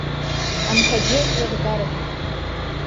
Амҳаџьыраа ргарашәа.